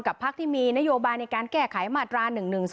พักที่มีนโยบายในการแก้ไขมาตรา๑๑๒